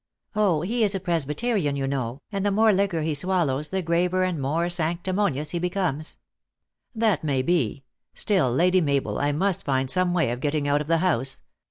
" O, he is a Presbyterian, 3 011 know, and the more liquor he swallows the graver and more sanctimonious lie becomes." " That may be. Still Lady Mabel, I must find some wa3^ of getting out of the house.